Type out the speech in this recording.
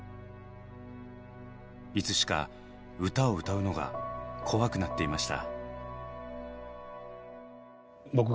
いつしか歌を歌うのが怖くなっていました。